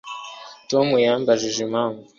Tom yambajije impamvu namwenyura